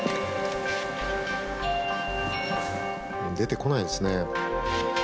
出てこないですね。